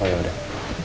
oh ya udah